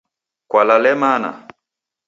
Kwalale mana?.